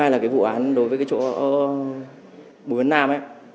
là vụ án đối với chỗ bùi văn nam